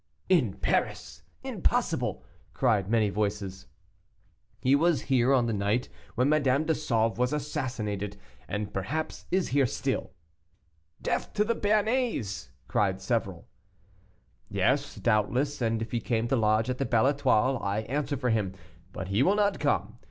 "In Paris! impossible!" cried many voices. "He was here on the night when Madame de Sauve was assassinated, and perhaps is here still." "Death to the Béarnais!" cried several. "Yes, doubtless, and if he came to lodge at the Belle Etoile, I answer for him; but he will not come.